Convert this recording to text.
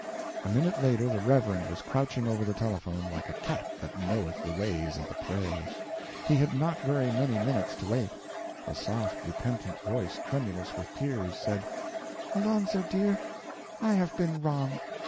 A minute later the Reverend was crouching over the telephone like a cat that knoweth the ways of the prey. He had not very many minutes to wait. A soft, repentant voice, tremulous with tears, said: "Alonzo, dear, I have been wrong.